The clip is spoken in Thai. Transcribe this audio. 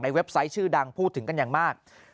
เว็บไซต์ชื่อดังพูดถึงกันอย่างมาก